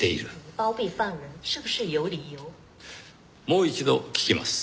もう一度聞きます。